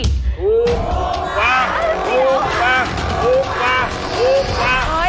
ถูกกว่า